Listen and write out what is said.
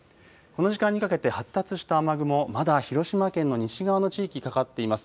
この時間にかけて発達した雨雲、まだ広島県の西側の地域、かかっています。